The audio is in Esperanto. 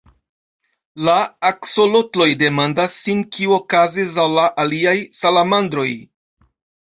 La aksolotloj demandas sin kio okazis al la aliaj salamandroj.